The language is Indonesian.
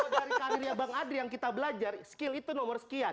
kalau dari karirnya bang adri yang kita belajar skill itu nomor sekian